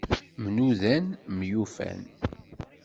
Mnudan, myufan.